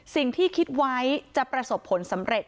สิ่งที่คิดไว้จะประสบผลสำเร็จ